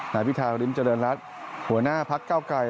นายวิทาริมเจริญรัตน์หัวหน้าภักดิ์เก้าไก่